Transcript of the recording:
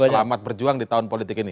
selamat berjuang di tahun politik ini